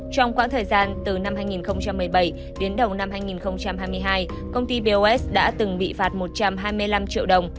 trong quãng thời gian từ năm hai nghìn một mươi bảy đến đầu năm hai nghìn hai mươi hai công ty bos đã từng bị phạt một trăm hai mươi năm triệu đồng